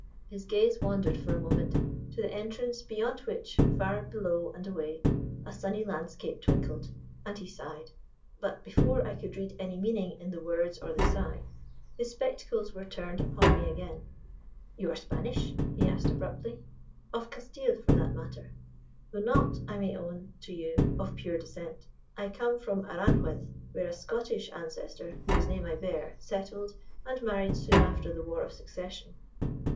His gaze wandered for a moment to the entrance beyond which, far below and away, a sunny landscape twinkled, and he sighed. But before I could read any meaning in the words or the sigh, his spectacles were turned upon me again. "You are Spanish?" he asked abruptly. "Of Castile, for that matter; though not, I may own to you, of pure descent. I come from Aranjuez, where a Scottish ancestor, whose name I bear, settled and married soon after the War of Succession."